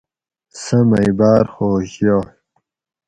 سہ مئ باۤر خوش یائ